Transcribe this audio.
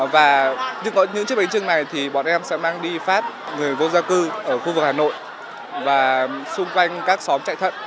và những chiếc bánh trưng này thì bọn em sẽ mang đi phát người vô gia cư ở khu vực hà nội và xung quanh các xóm chạy thận